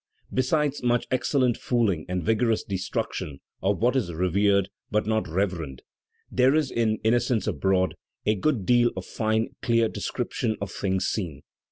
Besides much excellent fooling and vigorous destruction of what is revered but not reverend, there is in "Innocents Abroad" a good deal of fine, clear description of things seen.